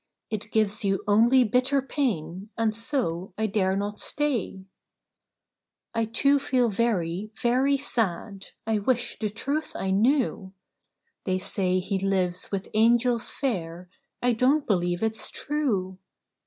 It gives you only bitter pain, And so I dare not stay. Charley's sister. Ill "I too feel very, very sad; I wish, the truth I knew. They say he lives with angels fair; I don't believe it's true